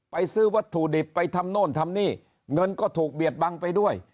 ซื้อวัตถุดิบไปทำโน่นทำนี่เงินก็ถูกเบียดบังไปด้วย